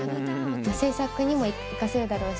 制作にも生かせるだろうし。